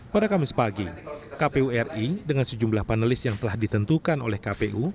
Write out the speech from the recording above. pada kamis pagi kpu ri dengan sejumlah panelis yang telah ditentukan oleh kpu